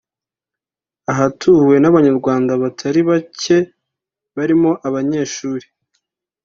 ahatuwe n’abanyarwanda batari bake barimo abanyeshuri